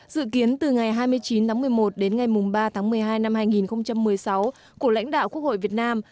dự kiến từ ngày hai mươi chín một mươi một đến ngày ba một mươi hai hai nghìn một mươi sáu của lãnh đạo quốc hội việt nam